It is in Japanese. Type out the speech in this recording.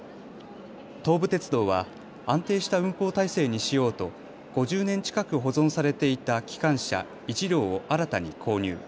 東武鉄道は安定した運行態勢にしようと５０年近く保存されていた機関車１両を新たに購入。